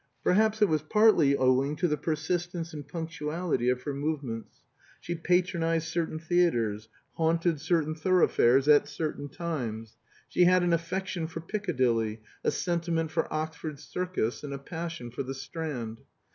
Perhaps it was partly owing to the persistence and punctuality of her movements: she patronized certain theatres, haunted certain thoroughfares at certain times. She had an affection for Piccadilly, a sentiment for Oxford Circus, and a passion for the Strand.